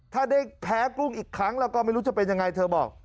ถ้าได้แพ้กุ้งอีกครั้งแล้วก็ไม่รู้จะเป็นยังไงเธอบอก